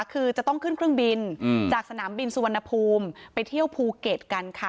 คือจะต้องขึ้นเครื่องบินจากสนามบินสุวรรณภูมิไปเที่ยวภูเก็ตกันค่ะ